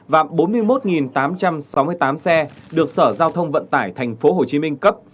và bốn mươi một tám trăm sáu mươi tám xe được sở giao thông vận tải tp hcm cấp